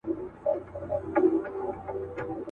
پر منبر به له بلاله، آذان وي، او زه به نه یم.